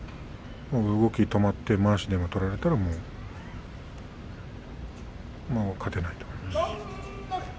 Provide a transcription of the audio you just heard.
動き止まって、まわしでも取られたらもう勝てないと思います。